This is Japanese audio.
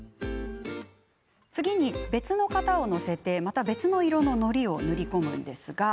次に、別の型を載せて別の色ののりを塗り込みます。